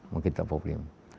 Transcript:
mungkin tak problem